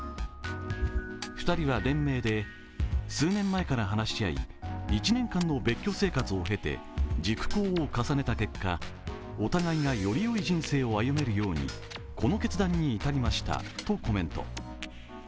２人は連名で数年前から話し合い１年間の別居生活を経て、熟考を重ねた結果、お互いがよりよい人生を歩めるようにこの決断に至りましたとコメント。